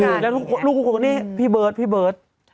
แล้วลูกนี่พี่เบิร์ต